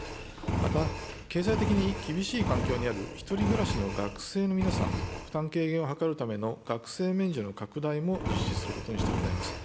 また、経済的に厳しい環境にある１人暮らしの学生の皆さん、負担軽減を図るための、学生免除の拡大も実施することにしてございます。